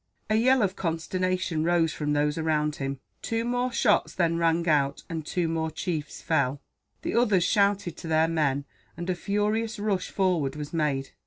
A yell of consternation rose from those around him. Two more shots then rang out, and two more chiefs fell. The others shouted to their men, and a furious rush forward was made.